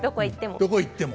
どこへ行っても。